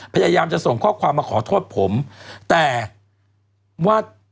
พยายามจะส่งข้อความมาขอโทษผมแต่ว่า